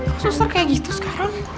kok suster kayak gitu sekarang